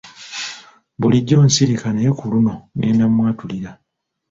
Bulijjo nsirika naye ku luno ngenda mwatulira.